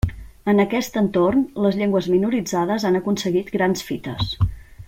En aquest entorn les llengües minoritzades han aconseguit grans fites.